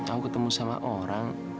aku ketemu sama orang